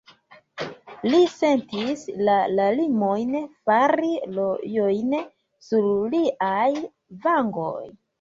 Li sentis la larmojn fari rojojn sur liaj vangoj.